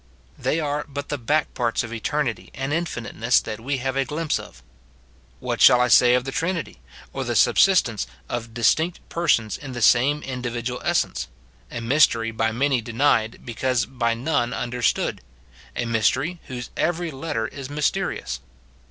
They are but the back parts of eternity and infiniteness that we have a glimpse of. What shall I say of the Trinity, or the subsistence of distinct persons in the same individual essence, — a mystery by many denied, because by none understood, — a mystery, whose every letter is mysterious